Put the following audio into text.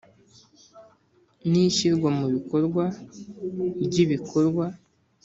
N ishyirwa mu bikorwa ry ibikorwa